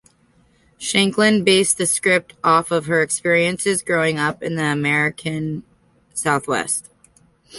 Shanklin based the script off her experiences growing up in the American Southwest.